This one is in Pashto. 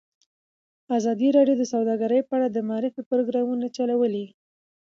ازادي راډیو د سوداګري په اړه د معارفې پروګرامونه چلولي.